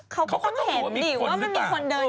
เขาต้องเห็นดิว่ามันมีคนเดินอยู่หรือไม่เดิน